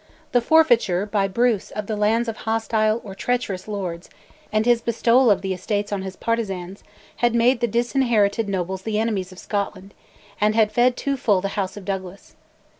The forfeiture by Bruce of the lands of hostile or treacherous lords, and his bestowal of the estates on his partisans, had made the disinherited nobles the enemies of Scotland, and had fed too full the House of Douglas.